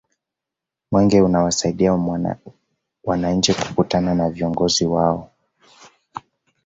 mwenge unawasaidia wananchi kukutana na viongozi wao